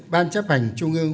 ban chấp hành trung ương